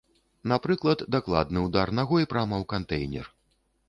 Напрыклад, дакладны ўдар нагой прама ў кантэйнер.